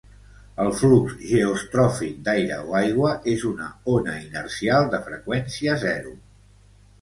El flux geostròfic d'aire o aigua és una ona inercial de freqüència zero.